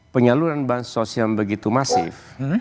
penyaluran bahan sosial begitu masif